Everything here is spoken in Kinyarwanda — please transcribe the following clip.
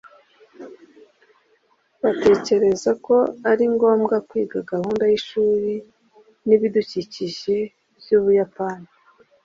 Batekereza ko ari ngombwa kwiga gahunda yishuri nibidukikije byUbuyapani